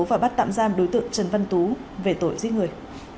và bắt tạm giam đối tượng trần văn tú về tội giết người